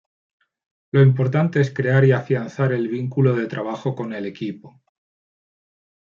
Lo importante es crear y afianzar el vínculo de trabajo con el equipo.